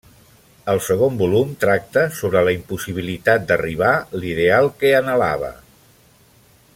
El segon volum, tracta sobre la impossibilitat d'arribar l'ideal que anhelava.